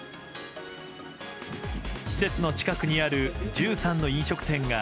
施設の近くにある１３の飲食店が